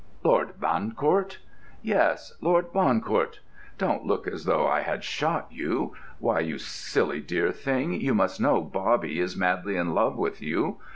"Lord Bancourt?" "Yes, 'Lord Bancourt'! Don't look as though I had shot you! Why, you silly dear thing, you must know Bobby is madly in love with you.